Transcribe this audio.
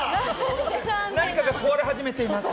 何か壊れ始めてます。